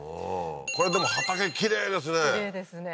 これでも畑きれいですね